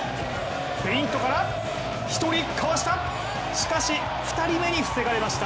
フェイントから１人かわした！